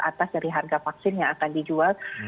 atas dari harga vaksin yang akan dijual